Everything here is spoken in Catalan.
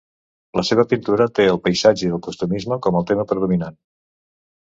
La seva pintura té el paisatge i el costumisme com a tema predominant.